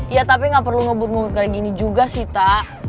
ya tapi gak perlu ngebut ngubut kali gini juga sih tak